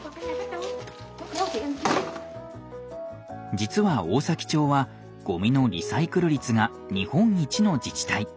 実は大崎町はゴミのリサイクル率が日本一の自治体。